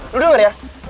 lo denger ya